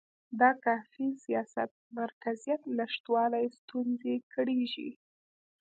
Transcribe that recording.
د کافي سیاسي مرکزیت نشتوالي ستونزې کړېږي.